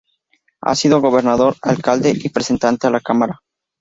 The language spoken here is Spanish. Ha sido gobernador, alcalde y representante a la Cámara.